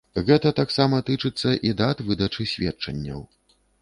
Гэта таксама тычыцца і дат выдачы сведчанняў.